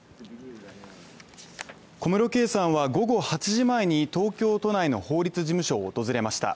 小室圭さんは午後８時前に東京都内の法律事務所を訪れました。